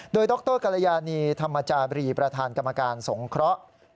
โดยดรกรยานีธรรมจาบรีประธานกรรมการสงเคราะห์